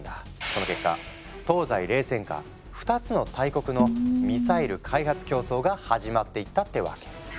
その結果東西冷戦下２つの大国のミサイル開発競争が始まっていったってわけ。